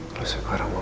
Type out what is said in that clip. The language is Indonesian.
ada yang mau enggak